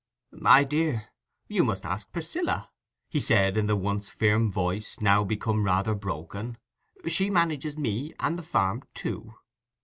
"My dear, you must ask Priscilla," he said, in the once firm voice, now become rather broken. "She manages me and the farm too."